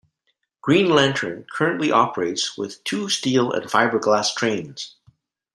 Green Lantern currently operates with two steel-and-fiberglass trains.